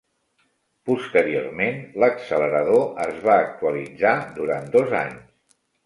Posteriorment, l'accelerador es va actualitzar durant dos anys.